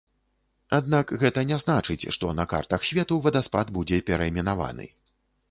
Аднак гэта не значыць, што на картах свету вадаспад будзе перайменаваны.